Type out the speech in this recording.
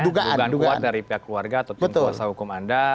dugaan kuat dari pihak keluarga atau timkuasa hukum anda